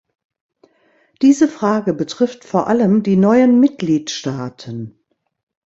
Diese Frage betrifft vor allem die neuen Mitgliedstaaten.